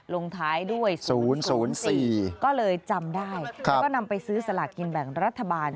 ลงท้ายด้วย๐๐๔ก็เลยจำได้แล้วก็นำไปซื้อสลากกินแบ่งรัฐบาล